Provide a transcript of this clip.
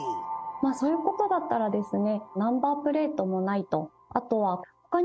まあそういう事だったらですね。